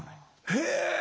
へえ！